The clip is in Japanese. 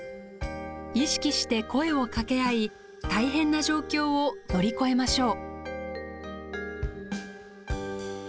意識して声をかけ合い大変な状況を乗り越えましょう。